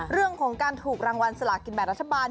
เรื่องของการถูกรางวัลสลากินแบ่งรัฐบาล